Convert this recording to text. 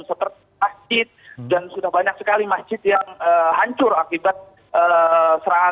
seperti masjid dan sudah banyak sekali masjid yang hancur akibat serangan